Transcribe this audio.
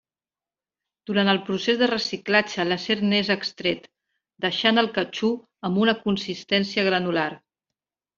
Durant el procés de reciclatge l’acer n’és extret, deixant el catxú amb una consistència granular.